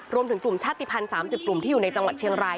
รวมถึงกลุ่มชาติภัณฑ์๓๐กลุ่มที่อยู่ในจังหวัดเชียงราย